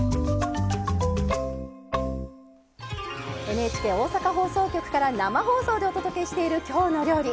ＮＨＫ 大阪放送局から生放送でお届けしている「きょうの料理」。